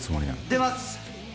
出ます！